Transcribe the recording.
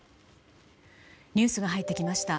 ニュースが入ってきました。